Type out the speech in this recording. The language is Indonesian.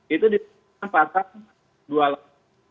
itu dikendengkan pasal dua puluh delapan orang dikendengkan